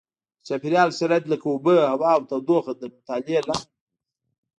د چاپېریال شرایط لکه اوبه هوا او تودوخه تر مطالعې لاندې نیسي.